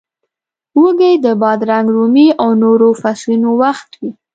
وږی د بادرنګ، رومي او نورو فصلونو وخت وي.